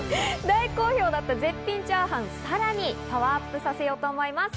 大好評だった絶品チャーハンをさらにパワーアップさせようと思います。